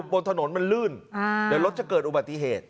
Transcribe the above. บนถนนมันลื่นเดี๋ยวรถจะเกิดอุบัติเหตุ